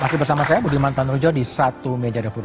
masih bersama saya budi mantan rujo di satu meja